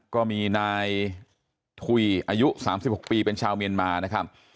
ก็มีนายถุยอายุ๓๖ปีเป็นชาวเมียนมานะครับ